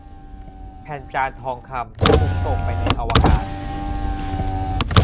แผ่นจานทองคำ ถูกส่งไปในอวกาศ